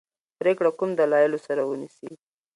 پرېکړه کوم دلایلو سره ونیسي.